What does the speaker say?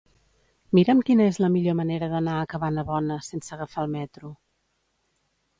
Mira'm quina és la millor manera d'anar a Cabanabona sense agafar el metro.